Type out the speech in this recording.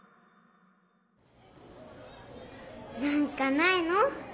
なんかないの？